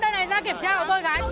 đây này ra kiểm tra của tôi gái